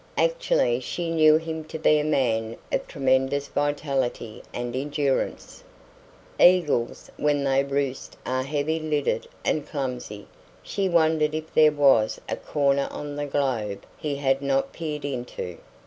Actually she knew him to be a man of tremendous vitality and endurance. Eagles when they roost are heavy lidded and clumsy. She wondered if there was a corner on the globe he had not peered into.